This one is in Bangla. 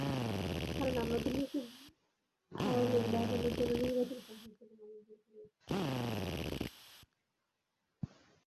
কারণ আমাকে নিঁখুত ভায়োলিন বাজানোর জন্য নির্বাচন করা হয়েছে এবং আমি ভুল করেছি।